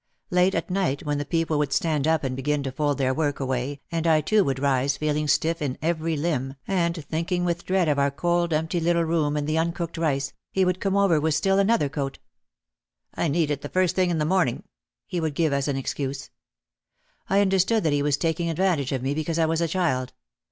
Late at night when the people would stand up and begin to fold their work away and I too would rise feeling stiff in every limb and thinking with dread of our cold empty little room and the uncooked rice, he would come over with still another coat. "I need it the first thing in the morning," he would give as an excuse. I understood that he was taking ad vantage of me because I was a child.